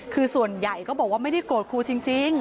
คือส่วนใหญ่ก็บอกว่าไม่ได้โกรธครูจริง